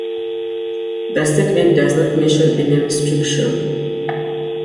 The statement does not mention any restriction.